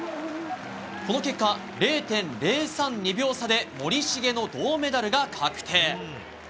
この結果、０．０３２秒差で森重の銅メダルが確定。